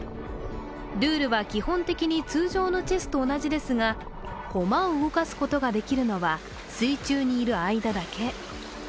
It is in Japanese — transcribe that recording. ルールは基本的に、通常のチェスと同じですが駒を動かすことができるのは水中にいる間だけ。